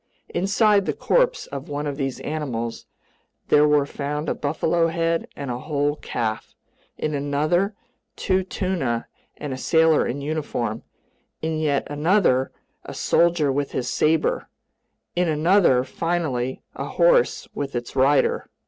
Inside the corpse of one of these animals there were found a buffalo head and a whole calf; in another, two tuna and a sailor in uniform; in yet another, a soldier with his saber; in another, finally, a horse with its rider.